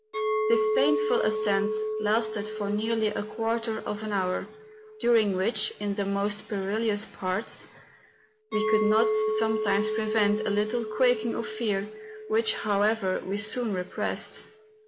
This painful ascent lasted for nearly a quarter of an hour, during which, in the most perilous parts, we could not sometimes prevent a little quaking of fear, which, however, we soon repressed.